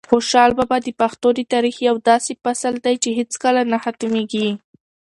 خوشحال بابا د پښتنو د تاریخ یو داسې فصل دی چې هیڅکله نه ختمېږي.